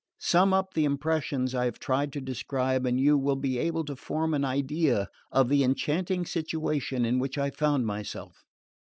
sum up the impressions I have tried to describe and you will be able to form an idea of the enchanting situation in which I found myself...